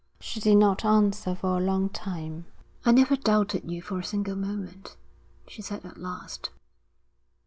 She did not answer for a long time. 'I never doubted you for a single moment,' she said at last.